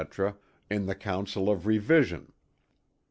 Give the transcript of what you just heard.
in the council of revision.